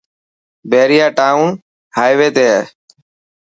بهريا ٽاون هائوي تي هي.